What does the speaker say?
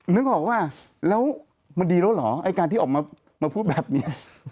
นึกออกป่ะแล้วมันดีแล้วเหรอไอ้การที่ออกมาพูดแบบนี้